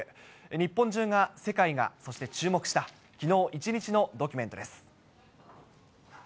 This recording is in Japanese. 日本中が、世界が、そして注目したきのう一日のドキュメントです。